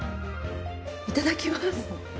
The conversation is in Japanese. いただきます！